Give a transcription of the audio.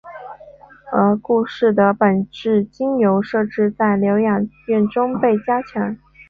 而故事的本质经由设置在疗养院中被加强。